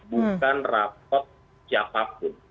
bukan rapot siapapun